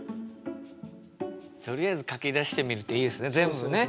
とりあえず書き出してみるといいですね全部ね。